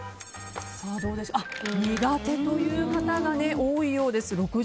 苦手という方が多いようです。